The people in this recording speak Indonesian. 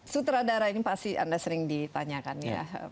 sutradara ini pasti anda sering ditanyakan ya